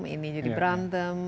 ini jadi berantem